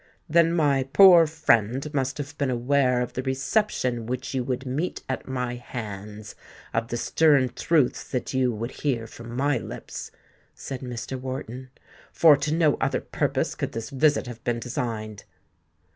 "Then my poor friend must have been aware of the reception which you would meet at my hands—of the stern truths that you would hear from my lips," said Mr. Wharton; "for to no other purpose could this visit have been designed."